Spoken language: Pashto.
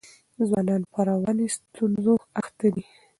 ځوانان په رواني ستونزو اخته دي.